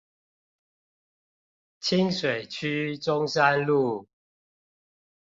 清水區中山路